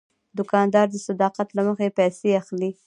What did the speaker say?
دوکاندار د صداقت له مخې پیسې اخلي.